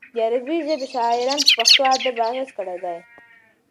د عربي ژبې شاعرانو په پښتو ادب اغېز کړی دی.